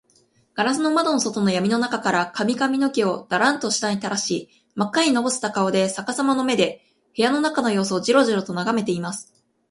ガラス窓の外のやみの中から、髪かみの毛をダランと下にたらし、まっかにのぼせた顔で、さかさまの目で、部屋の中のようすをジロジロとながめています。